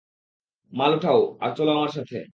মাল উঠাও, আর চলো আমার সাথে।